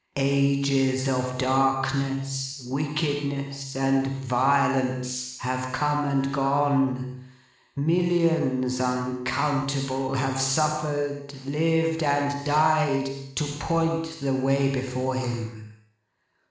Ages of darkness, wickedness, and violence, have come and gone—millions uncountable, have suffered, lived, and died—to point the way before him.